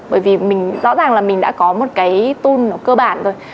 bởi vì rõ ràng là mình đã có một cái tool cơ bản rồi